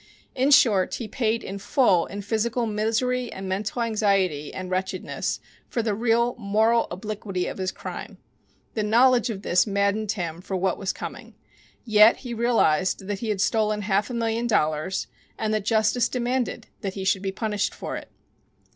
In short, he paid in full in physical misery and mental anxiety and wretchedness for the real moral obliquity of his crime. The knowledge of this maddened him for what was coming. Yet he realized that he had stolen half a million dollars, and that justice demanded that he should be punished for it.